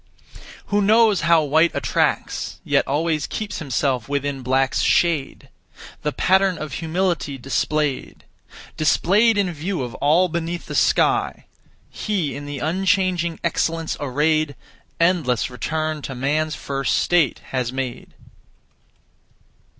Who knows how white attracts, Yet always keeps himself within black's shade, The pattern of humility displayed, Displayed in view of all beneath the sky; He in the unchanging excellence arrayed, Endless return to man's first state has made.